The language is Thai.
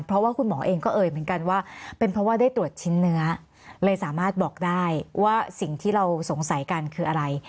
เพราะว่าคุณหมอเองก็เอ่ยเหมือนกันว่าเป็นเพราะว่าได้ตรวจชิ้นเนื้อเลยสามารถบอกได้ว่าสิ่งที่เราสงสัยกันคืออะไร